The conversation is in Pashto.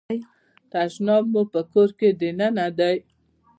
تشناب مو په کور کې دننه دی؟